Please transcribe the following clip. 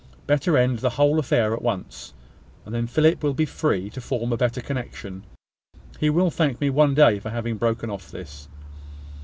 Better end the whole affair at once; and then Philip will be free to form a better connection. He will thank me one day for having broken off this."